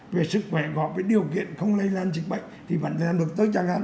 về sức khỏe góp với điều kiện không lây lan dịch bệnh thì vẫn sẽ được tới chẳng hạn